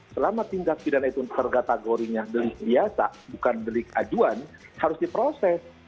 selama tindak pidana itu tergategorinya delik biasa bukan delik aduan harus diproses